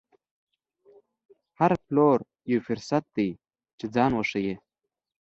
هر پلور یو فرصت دی چې ځان وښيي.